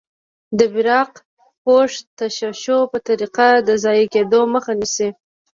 د براق پوښ تشعشع په طریقه د ضایع کیدو مخه نیسي.